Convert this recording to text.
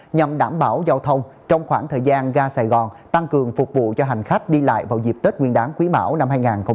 nhằm đảm bảo giao thông trong khoảng thời gian ga sài gòn tăng cường phục vụ cho hành khách đi lại vào dịp tết nguyên đáng quý mão năm hai nghìn hai mươi